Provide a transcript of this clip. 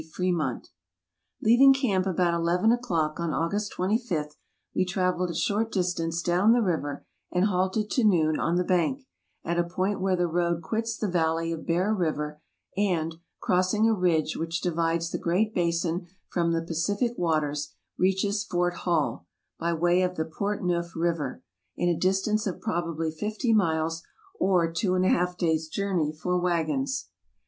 FREMONT LEAVING camp about n o'clock, on August 25, we traveled a short distance down the river, and halted to noon on the bank, at a point where the road quits the valley of Bear River, and, crossing a ridge which divides the Great Basin from the Pacific waters, reaches Fort Hall, by way of the Portneuf River, in a distance of probably fifty miles, or two and a half days' journey for wagons.